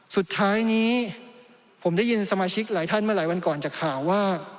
สุดท้ายนี้ผมได้ยินสมาชิกหลายท่านเมื่อหลายวันก่อนจากข่าวว่า